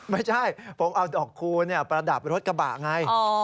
ไม่ใช่ผมเอาดอกคูณประดับรถกระบะไง